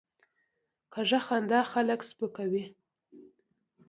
کوږه خندا خلک سپکوي